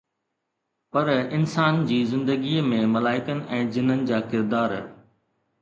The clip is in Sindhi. پر انسان جي زندگيءَ ۾ ملائڪن ۽ جنن جا ڪردار